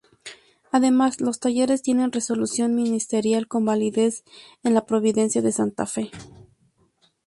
Además, los talleres tienen resolución ministerial con validez en la provincia de Santa Fe.